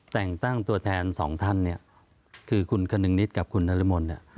แต่งตั้งตัวแทนสองท่านคือคุณคนนึงนิดกับคุณนรมนธ์